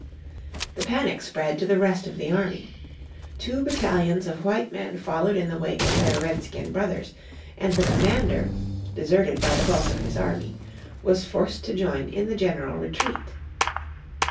The panic spread to the rest of the army. Two battalions of white men followed in the wake of their redskin brothers, and the commander, deserted by the bulk of his army, was forced to join in the general retreat.